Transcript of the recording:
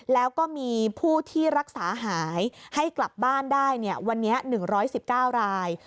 แล้วก็มีผู้ที่รักษาหายให้กลับบ้านได้วันนี้๑๑๙ราย